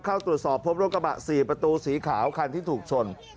เข้าตรวจสอบพบรถกระบะ๔ประตูสีขาวคันที่ถูกชน